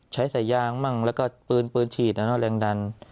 ใช้สายย่างมั่งแล้วก็ปืนปืนฉีดแล้วเนอะแรงดัน